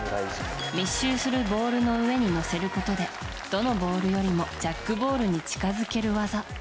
密集するボールの上に乗せることでどのボールよりもジャックボールに近づける技。